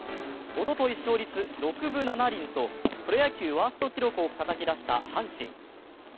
おととい、勝率６分７厘とプロ野球ワースト記録をたたき出した阪神。